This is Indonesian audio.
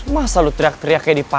masa lo teriak teriak kayak di pulau